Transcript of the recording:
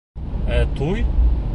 Ә туй?